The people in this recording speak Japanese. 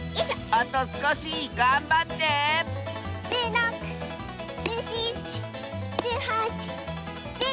あとすこしがんばって１６１７１８１９２０！